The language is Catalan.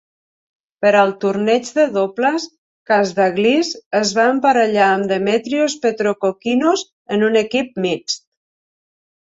Per al torneig de dobles, Kasdaglis es va emparellar amb Demetrios Petrokokkinos en un equip mixt.